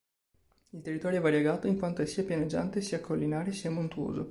Il territorio è variegato in quanto è sia pianeggiante, sia collinare, sia montuoso.